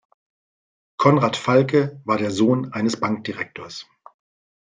Konrad Falke war der Sohn eines Bankdirektors.